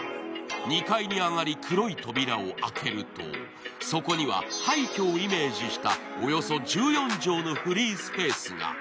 ２階に上がり黒い扉を開けるとそこには、廃虚をイメージした、およそ１４畳のフリースペースが。